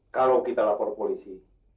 kalau kita lapor polisi